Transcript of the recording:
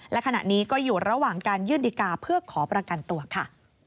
และขณะนี้ก็อยู่ระหว่างการยื่นดีกาเพื่อขอประกันตัวค่ะ